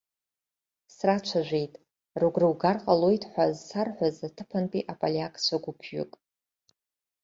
Срацәажәеит, рыгәра угар ҟалоит ҳәа зсарҳәаз аҭыԥантәи аполиакцәа гәыԥҩык.